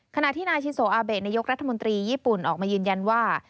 ขณะที่นายชิโซอาเบะนายกรัฐมนตรีญี่ปุ่นออกมายืนยันว่า